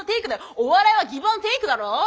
お笑いはギブアンドテイクだろ？